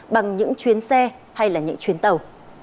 bằng những chuyến xe hay là những chuyến tàu